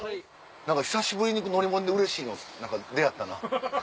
久しぶりに乗り物でうれしいの出合ったな。